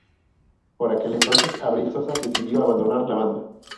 Por aquel entonces Abril Sosa decidió abandonar la banda.